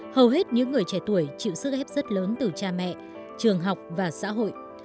hầu hết những người trẻ tuổi chịu sức ép rất lớn từ cha mẹ trường học và xã hội